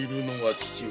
父上！